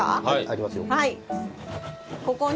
ありますよ。